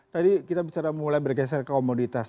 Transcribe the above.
tadi kita bicara mulai bergeser ke komoditas